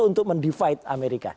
untuk mendivide amerika